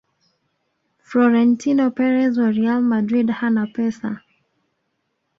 frorentino perez wa real madrid hana pesa